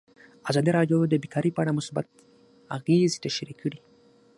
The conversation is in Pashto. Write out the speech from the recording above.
ازادي راډیو د بیکاري په اړه مثبت اغېزې تشریح کړي.